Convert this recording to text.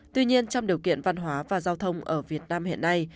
tuy nhiên trong điều kiện văn hóa và giao thông ở việt nam hiện nay